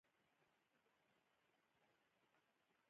حم ای د زړه سره لږ صبر وکه درځم.